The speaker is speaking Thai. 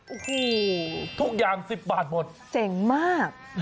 โอ้โหทุกอย่าง๑๐บาทหมดเจ๋งมาก